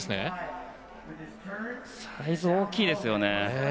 サイズ、大きいですよね。